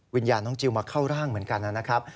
วิญญาณน้องจิลมาเข้าร่างเหมือนกันนะครับ